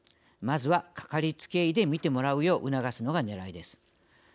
まずは、かかりつけ医で診てもらうよう促すのがねらいです。